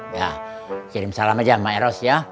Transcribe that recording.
ya kirim salam aja sama eros ya